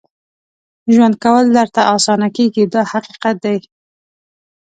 ژوند کول درته اسانه کېږي دا حقیقت دی.